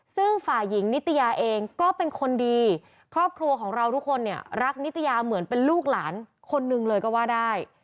ซึ่งฝ่ายหญิงนิตยาเองก็เป็นคนดีครอบครัวของเราทุกคนเนี่ยรักนิตยาเหมือนเป็นลูกหลานคนหนึ่งเลยก็ว่าได้